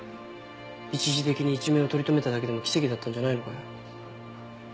一時的に一命を取り留めただけでも奇跡だったんじゃないのかよ？